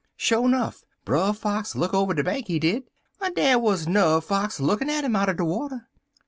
"Sho nuff, Brer Fox look over de bank, he did, en dar wuz n'er Fox lookin' at 'im outer de water.